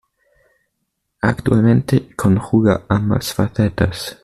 Actualmente conjuga ambas facetas.